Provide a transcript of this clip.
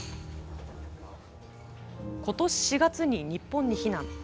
ことし４月に日本に避難。